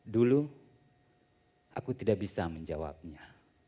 dulu aku tidak bisa menjawabnya